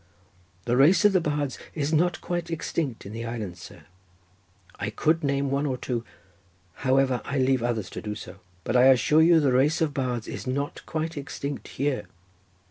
The race of the bards is not quite extinct in the island, sir, I could name one or two—however, I leave others to do so—but I assure you the race of bards is not quite extinct here."